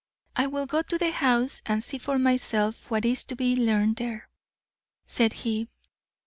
"I will go to the house and see for myself what is to be learned there," said he.